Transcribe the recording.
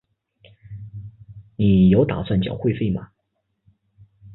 你有打算缴会费吗？